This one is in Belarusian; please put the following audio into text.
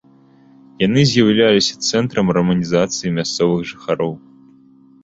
Яны з'яўляліся цэнтрамі раманізацыі мясцовых жыхароў.